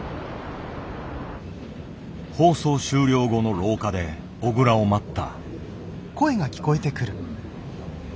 放送終了後の廊下で小倉を待った。